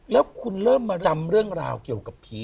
แล้วคุณเริ่มมาจำเรื่องราวเกี่ยวกับผี